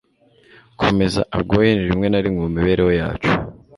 komeza a-goin rimwe na rimwe mu mibereho yacu